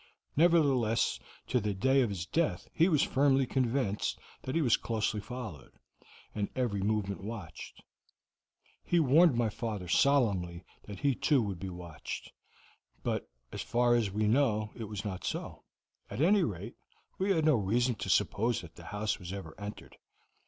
Nevertheless, to the day of his death he was firmly convinced that he was closely followed, and every movement watched. He warned my father solemnly that he too would be watched, but as far as we know it was not so; at any rate, we had no reason to suppose that the house was ever entered.